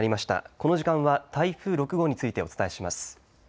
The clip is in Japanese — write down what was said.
この時間は台風６号についてお伝えします。